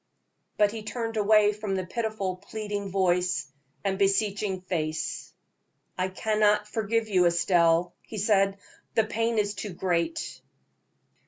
But he turned away from the pitiful, pleading voice and beseeching face. "I cannot forgive you, Estelle," he said; "the pain is too great."